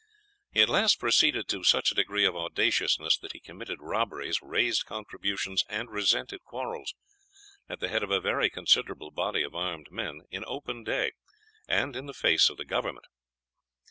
_ He at last proceeded to such a degree of audaciousness that he committed robberies, raised contributions, and resented quarrels, at the head of a very considerable body of armed men, in open day, and in the face of the government."